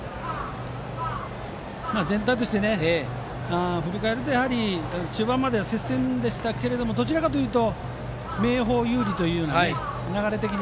全体として振り返ると中盤までは接戦でしたがどちらかというと明豊が有利という、流れ的に。